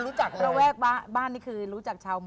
แล้วแวะบ้านคือรู้จักชาวหมวด